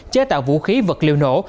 chế tạo vũ khí vật liệu nổ